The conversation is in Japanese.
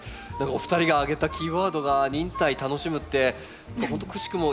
お二人が挙げたキーワードが「忍耐」「楽しむ」ってくしくも